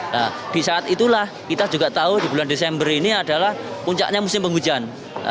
nah di saat itulah kita juga tahu di bulan desember ini adalah puncaknya musim penghujan